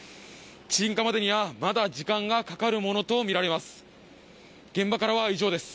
鎮火までにはまだ時間がかかるものとみられます。